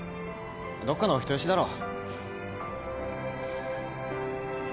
どっかのお人よしだろ。